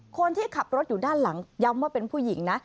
คนที่ขับรถอยู่ด้านหลังย้ำว่าเป็นผู้หญิงนะ